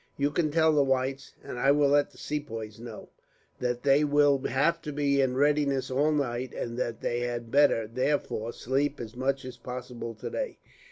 You can tell the whites, and I will let the Sepoys know, that they will have to be in readiness all night, and that they had better, therefore, sleep as much as possible today.